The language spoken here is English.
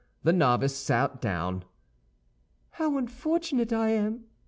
The novice sat down. "How unfortunate I am!"